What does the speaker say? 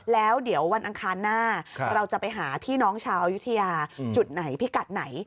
แล้วเดี๋ยววันอังคารหน้าเราจะไปหาพี่น้องชาวยุธยาจุดไหนพิกัดไหน